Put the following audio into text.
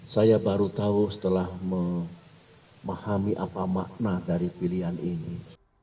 saya baru tahu setelah memahami apa makna dari pilihan ini